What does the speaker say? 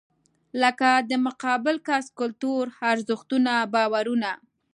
لکه د مقابل کس کلتور، ارزښتونه، باورونه .